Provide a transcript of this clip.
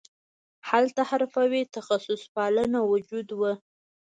هلته حرفوي تخصص پالنه موجود وو